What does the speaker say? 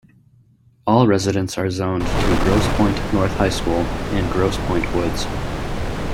All residents are zoned to Grosse Pointe North High School in Grosse Pointe Woods.